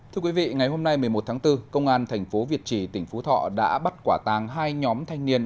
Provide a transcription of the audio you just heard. thưa quý vị ngày hôm nay một mươi một tháng bốn công an thành phố việt trì tỉnh phú thọ đã bắt quả tàng hai nhóm thanh niên